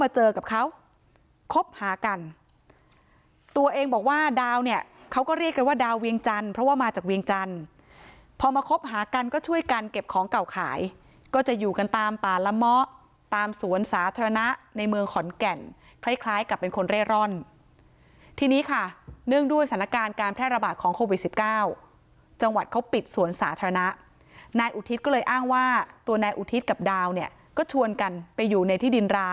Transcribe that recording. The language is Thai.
เจอกับเขาคบหากันตัวเองบอกว่าดาวเนี่ยเขาก็เรียกว่าดาวเวียงจันทร์เพราะว่ามาจากเวียงจันทร์พอมาคบหากันก็ช่วยกันเก็บของเก่าขายก็จะอยู่กันตามป่าละเมาะตามสวนสาธารณะในเมืองขอนแก่นคล้ายกับเป็นคนเร่ร่อนที่นี้ค่ะเนื่องด้วยสถานการณ์การแพร่ระบาดของโควิด๑๙จังหวัดเขาปิดสวนสา